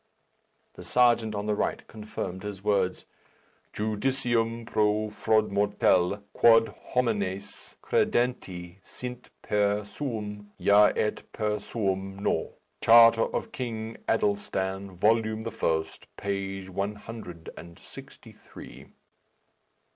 The serjeant on the right confirmed his words. "Judicium pro frodmortell, quod homines credendi sint per suum ya et per suum no. Charter of King Adelstan, volume the first, page one hundred and sixty three."